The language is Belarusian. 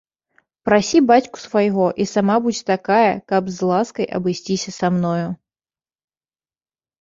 Прасі бацьку свайго і сама будзь такая, каб з ласкай абысціся са мною.